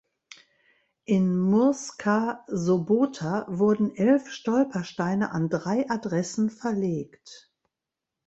In Murska Sobota wurden elf Stolpersteine an drei Adressen verlegt.